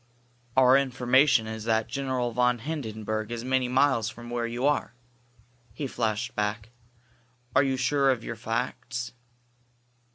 "Our information is that General von Hindenburg is many miles from where you are," he flashed back. "Are you sure of your facts?"